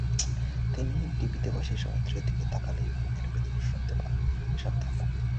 তিনি ঢিবিতে বসে সমুদ্রের দিকে তাকালেই মনের ভেতর শুনতে পান সাবধান বাণী।